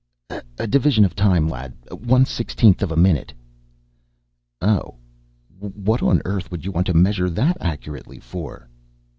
"A division of time, lad one sixtieth of a minute." "Oh. What on Earth would you want to measure that accurately for?"